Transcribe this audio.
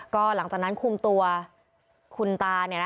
ก็หลังจากนั้นคุมตัวคุณตา